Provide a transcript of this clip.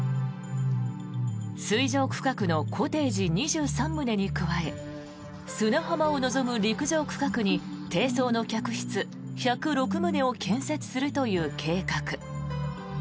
水上区画のコテージ２３棟に加え砂浜を望む陸上区画に低層の客室１０６棟を建設するという計画。